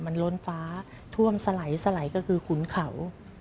มันล้นฟ้าท่วมสไหลก็คือขุนเขา